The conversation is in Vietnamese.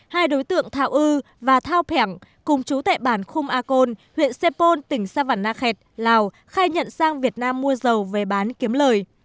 hai đối tượng thảo ư và thao pẻng cùng chú tại bản khung a côn huyện sê pôn tỉnh sa văn na khẹt lào khai nhận sang việt nam mua dầu về bán kiếm lời